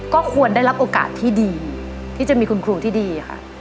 ก็ควรได้รับโอกาสที่ดีที่จะมีคุณครูที่ดีค่ะ